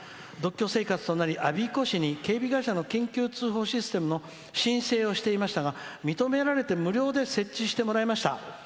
「独居生活となり我孫子市に警備会社の緊急通報システムの申請をしていましたが認められて無料で設置してもらいました。